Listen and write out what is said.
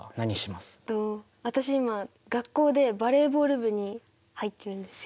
私今学校でバレーボール部に入ってるんですよ。